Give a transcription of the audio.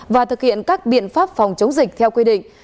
và thực hiện các biện pháp phòng chống dịch theo quy định